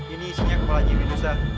ini isinya kepala nyai medusa